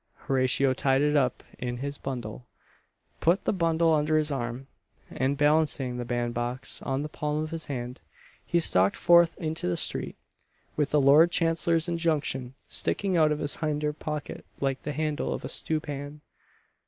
Horatio tied it up in his bundle; put the bundle under his arm; and, balancing the band box on the palm of his hand, he stalked forth into the street, with the Lord Chancellor's injunction sticking out of his hinder pocket like the handle of a stewpan.